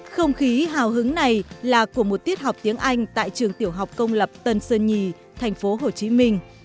không khí hào hứng này là của một tiết học tiếng anh tại trường tiểu học công lập tân sơn nhì thành phố hồ chí minh